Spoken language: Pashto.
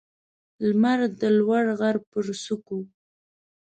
لمر د لوړ غر پر څوکو